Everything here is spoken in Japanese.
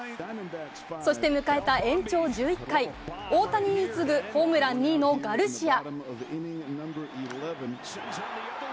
そして迎えた延長１１回、大谷に次ぐホームラン２位のガルシア。